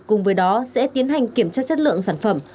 cùng với đó sẽ tiến hành kiểm tra chất lượng sản phẩm